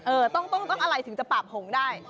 ต้องอะไรถึงจะปราบหงได้